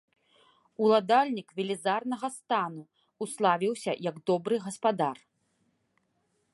Уладальнік велізарнага стану, уславіўся як добры гаспадар.